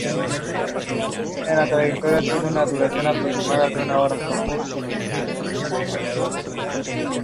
En peligro crítico.